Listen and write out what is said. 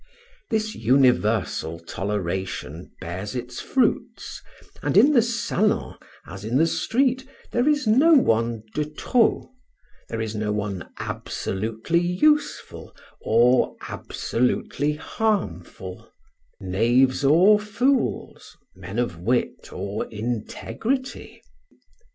This universal toleration bears its fruits, and in the salon, as in the street, there is no one de trop, there is no one absolutely useful, or absolutely harmful knaves or fools, men of wit or integrity.